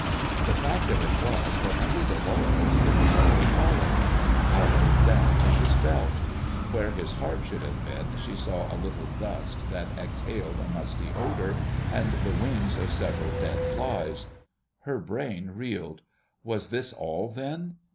The fact of it was that under the laurels it was all hollow, hollow down to his belt. Where his heart should have been, she saw a little dust that exhaled a musty odor, and the wings of several dead flies. Her brain reeled. Was this all, then?